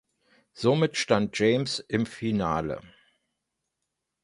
Somit stand James im Finale.